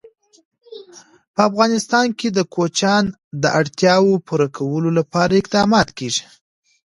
په افغانستان کې د کوچیان د اړتیاوو پوره کولو لپاره اقدامات کېږي.